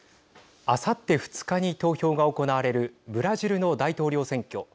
あさって２日に投票が行われるブラジルの大統領選挙。